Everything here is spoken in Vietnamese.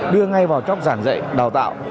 đưa ngay vào tróc giảng dạy đào tạo